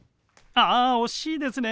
あ惜しいですね。